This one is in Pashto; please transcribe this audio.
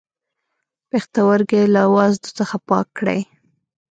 پښتورګی له وازدو څخه پاک کړئ.